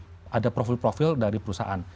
karena mungkin sudah ada profil profil dari perusahaan